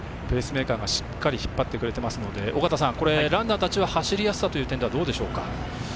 ペースメーカーがしっかり引っ張ってくれていますのでランナーたちは走りやすさという点ではどうでしょうか。